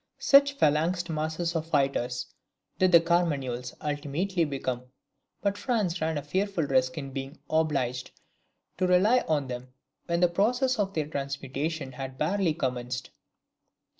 Such phalanxed masses of fighters did the Carmagnoles ultimately become; but France ran a fearful risk in being obliged to rely on them when the process of their transmutation had barely commenced.